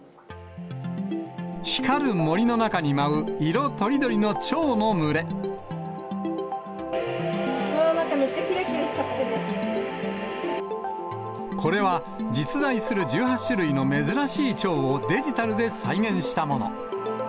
光る森の中に舞う、うわー、なんかめっちゃきらこれは、実在する１８種類の珍しいちょうをデジタルで再現したもの。